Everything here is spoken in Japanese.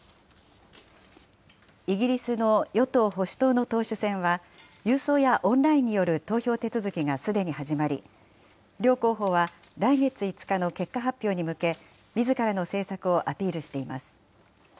イギリスの与党・保守党の党首選は、郵送やオンラインによる投票手続きがすでに始まり、両候補は来月５日の結果発表に向け、みずからの政策をアピールしています。